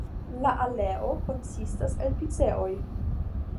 La aleo konsistas el piceoj.